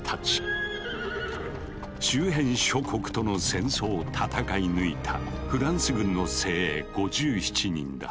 周辺諸国との戦争を戦い抜いたフランス軍の精鋭５７人だ。